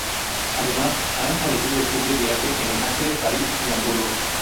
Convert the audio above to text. Además ha establecido estudios de arte en Los Ángeles, París y Hamburgo.